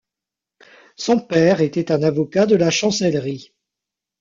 Son père était un avocat de la chancellerie.